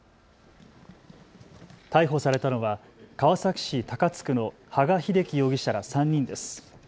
逮捕されたのは川崎市高津区の羽賀秀樹容疑者ら３人です。